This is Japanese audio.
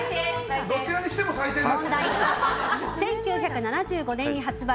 どちらにしても最低です。